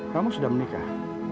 kamu sudah menikah